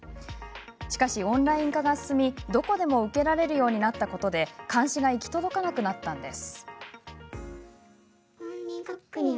しかし、オンライン化が進みどこでも受けられるようになったことで監視が行き届かなくなったんです。